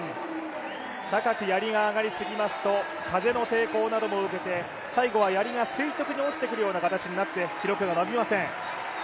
高くやりが上がりすぎますと風の抵抗なども受けて最後はやりが垂直に落ちてくるような形になって記録が伸びません。